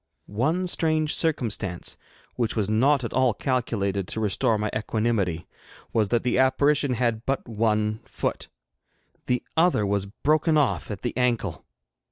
One strange circumstance, which was not at all calculated to restore my equanimity, was that the apparition had but one foot; the other was broken off at the ankle!